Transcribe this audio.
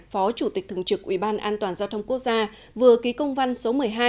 phó chủ tịch thường trực ubndg quốc gia vừa ký công văn số một mươi hai